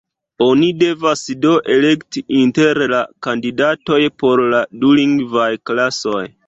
Oni devas, do, elekti inter la kandidatoj por la dulingvaj klasoj.